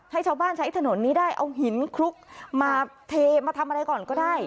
ให้ชาวบ้านใช้ถนนนี้ได้เอาหินคลุกมาเทมาทำอะไรก่อนก็ได้